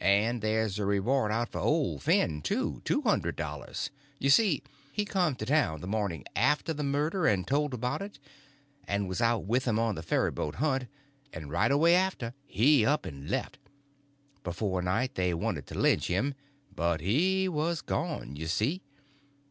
And there's a reward out for old Finn, too—two hundred dollars. You see, he come to town the morning after the murder, and told about it, and was out with 'em on the ferryboat hunt, and right away after he up and left. Before night they wanted to lynch him, but he was gone, you see.